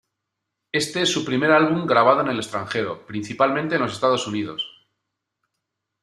Este es su primer álbum grabado en el extranjero, principalmente en los Estados Unidos.